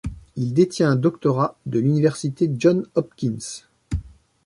Il détient un doctorat de l'université Johns-Hopkins.